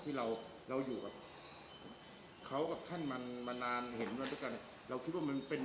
ที่เราเราอยู่กับเขากับท่านมันมานานเห็นมาด้วยกันเราคิดว่ามันเป็น